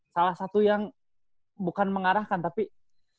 salah satu yang bukan mengarahkan tapi apa ya jadi